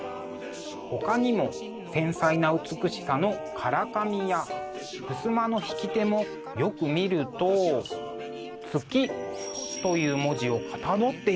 ほかにも繊細な美しさの唐紙やふすまの引き手もよく見ると「月」という文字をかたどっています。